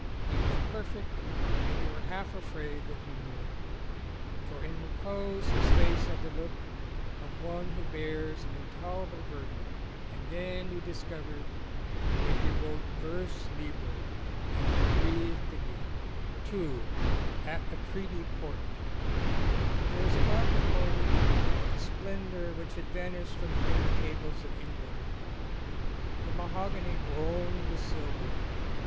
He was perfect and you were half afraid that he knew it, for in repose his face had the look of one who bears an intoler able burden. And then you discovered that he wrote vers libre. You breathed again. 30 BIHNEB PAKTIES II : AT A TREATY PORT There was about the party a splendour which has vanished from the dinner tables of England. The mahogany groaned with silver.